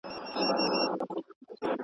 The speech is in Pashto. څنګ ته د میخورو به د بنګ خبري نه کوو!